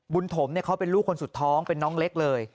ถมเขาเป็นลูกคนสุดท้องเป็นน้องเล็กเลย